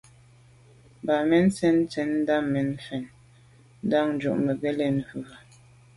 Bǎmén cɛ̌n tsjə́ŋ tà’ mɛ̀n fɛ̀n ndǎʼndjʉ̂ mə́ gə̀ lɛ̌n wú.